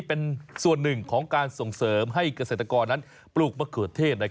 เป็นส่วนหนึ่งของการส่งเสริมให้เกษตรกรนั้นปลูกมะเขือเทศ